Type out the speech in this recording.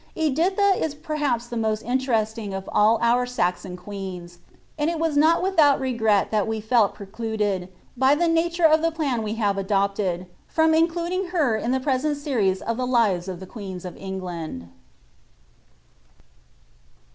Bdilha is perhaps the most IftiterestinK of all our Saxon queens, and it was not without regret '' we telt precluded, by the nature of the plan we have adopted, including her life in the present series of the Lives of the Queens f England.